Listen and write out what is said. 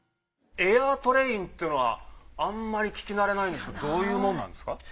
エアトレインというのはあんまり聞きなれないんですけどどういうものなんですか？